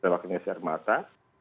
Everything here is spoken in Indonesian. terjadi penembakan gas air mata